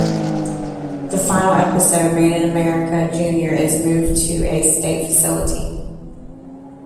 In the final episode, "Made in America", Junior is moved to a state facility.